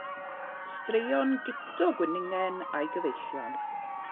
Straeon Guto Gwningen a'i Gyfeillion.